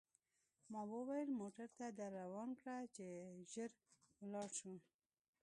ما ورته وویل: موټر ته در روان کړه، چې ژر ولاړ شو.